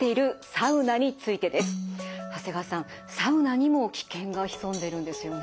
サウナにも危険が潜んでるんですよね。